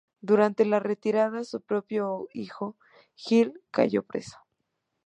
Durante la retirada su propio hijo, Gil, cayó preso.